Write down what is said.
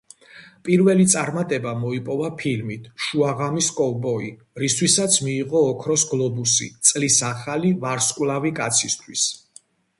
პირველი წარმატება მოიპოვა ფილმით „შუაღამის კოვბოი“, რისთვისაც მიიღო ოქროს გლობუსი წლის ახალი ვარსკვლავი კაცისთვის.